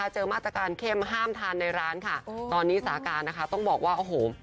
เจอมาตรการเข้มห้ามทานในร้านค่ะตอนนี้สาการนะคะต้องบอกว่าโอ้โห